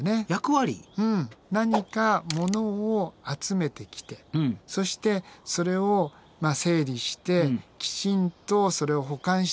うん何かものを集めてきてそしてそれを整理してきちんとそれを保管していく。